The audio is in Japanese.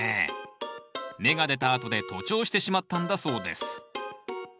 芽が出たあとで徒長してしまったんだそうです。